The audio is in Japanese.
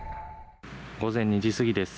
午前２時過ぎです。